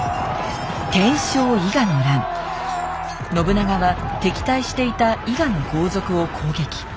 信長は敵対していた伊賀の豪族を攻撃。